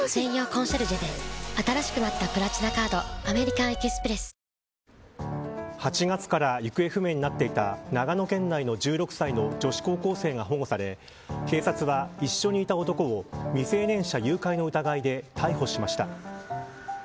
サントリーウエルネス８月から行方不明になっていた長野県内の１６歳の女子高校生が保護され警察は一緒にいた男を未成年者誘拐の疑いで逮捕しました。